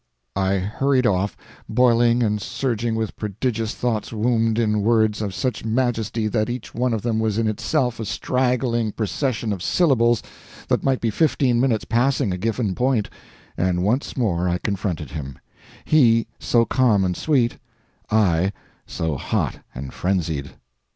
I hurried off, boiling and surging with prodigious thoughts wombed in words of such majesty that each one of them was in itself a straggling procession of syllables that might be fifteen minutes passing a given point, and once more I confronted him he so calm and sweet, I so hot and frenzied.